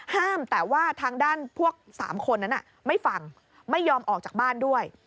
แต่ว่าทางด้านพวก๓คนนั้นไม่ฟังไม่ยอมออกจากบ้านด้วย